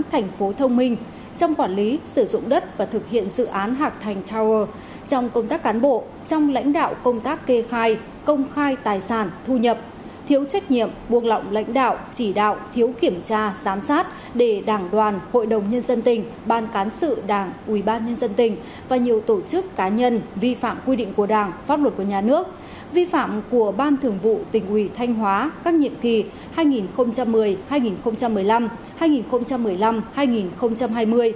trong quản lý sử dụng đất và thực hiện dự án hạc thành tower trong công tác cán bộ trong lãnh đạo công tác kê khai công khai tài sản thu nhập thiếu trách nhiệm buộc lọng lãnh đạo chỉ đạo thiếu kiểm tra giám sát để đảng đoàn hội đồng nhân dân tình ban cán sự đảng ủy ban nhân dân tình và nhiều tổ chức cá nhân vi phạm quy định của đảng pháp luật của nhà nước vi phạm của ban thường vụ tỉnh ủy thanh hóa các nhiệm kỳ hai nghìn một mươi hai nghìn một mươi năm hai nghìn một mươi năm hai nghìn hai mươi